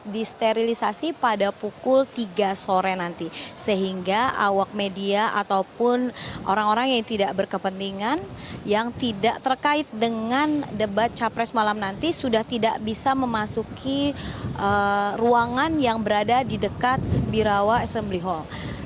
disterilisasi pada pukul tiga sore nanti sehingga awak media ataupun orang orang yang tidak berkepentingan yang tidak terkait dengan debat capres malam nanti sudah tidak bisa memasuki ruangan yang berada di dekat birawa smb hall